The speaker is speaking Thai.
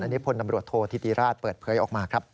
อันนี้พลตำรวจโทษธิติราชเปิดเผยออกมาครับ